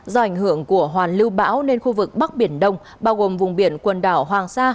do ảnh hưởng của hoàn lưu bão nên khu vực bắc biển đông bao gồm vùng biển quần đảo hoàng sa